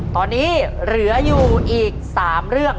ตอนนี้เหลืออยู่อีก๓เรื่อง